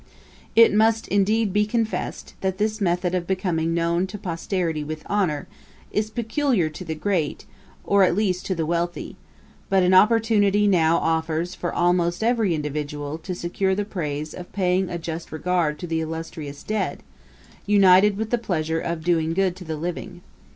'It must, indeed, be confessed, that this method of becoming known to posterity with honour, is peculiar to the great, or at least to the wealthy; but an opportunity now offers for almost every individual to secure the praise of paying a just regard to the illustrious dead, united with the pleasure of doing good to the living.